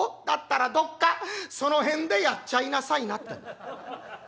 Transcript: だったらどっかその辺でやっちゃいなさいな』ってんだ。